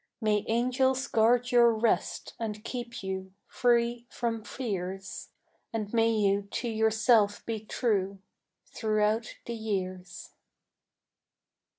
May angels guard your rest and keep you Free from fears, And may you to yourself be true Throughout the years.